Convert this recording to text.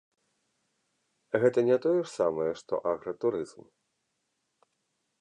Гэта не тое ж самае, што агратурызм?